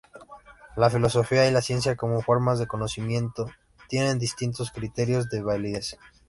La filosofía y la ciencia como formas de conocimiento tienen distintos criterios de validez.